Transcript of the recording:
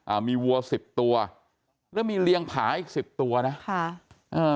อ่ามีวัวสิบตัวแล้วมีเลี้ยงผาอีกสิบตัวนะค่ะอ่า